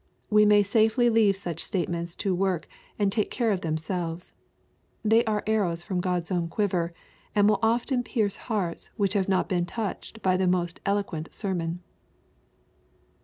We may safely leave such statements to work and take care of them* selves. They are arrows from Q od's own quiver, and will often pierce hearts which have not been touched by the most eloquent sermon.